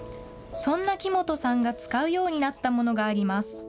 そんな木元さんが使うようになったものがあります。